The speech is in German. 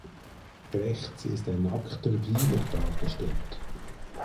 Rechts ist ein nackter Diener dargestellt.